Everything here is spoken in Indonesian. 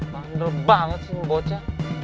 bandar banget sih baca